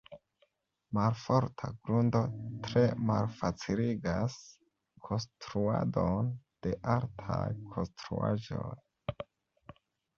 Malforta grundo tre malfaciligas konstruadon de altaj konstruaĵoj.